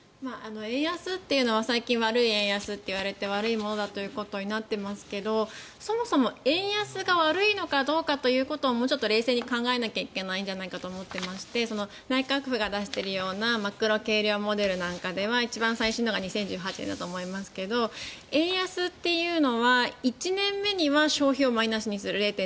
円安というのは最近、悪い円安といわれて悪いものだということになっていますけどそもそも円安が悪いのかどうかということをもうちょっと冷静に考えなきゃいけないんじゃないかと思っていまして内閣府が出しているようなマクロ計量モデルなんかでは一番最新のが２０１８年だと思いますが円安というのは１年目には消費をマイナスにする。